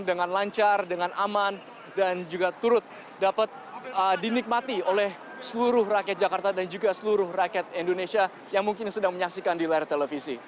dengan lancar dengan aman dan juga turut dapat dinikmati oleh seluruh rakyat jakarta dan juga seluruh rakyat indonesia yang mungkin sedang menyaksikan di layar televisi